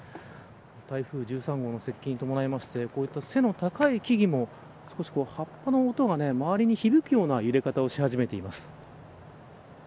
台風１３号の接近に伴ってこういった背の高い木々も葉っぱの音が周りに響くような揺れ方をし始めています。